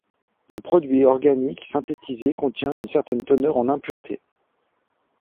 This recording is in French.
Le produit organique synthétisé contient une certaine teneur en impuretés.